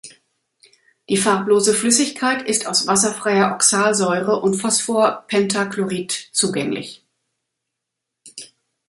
Die farblose Flüssigkeit ist aus wasserfreier Oxalsäure und Phosphorpentachlorid zugänglich.